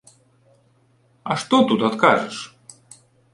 А што тут адкажаш?